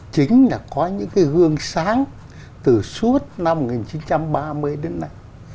chính là có những cái hương sáng từ suốt năm một nghìn chín trăm ba mươi đến nay